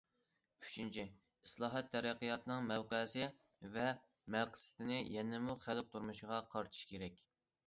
ئۈچىنچى، ئىسلاھات، تەرەققىياتنىڭ مەۋقەسى ۋە مەقسىتىنى يەنىمۇ خەلق تۇرمۇشىغا قارىتىش كېرەك.